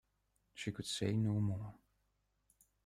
She could say no more.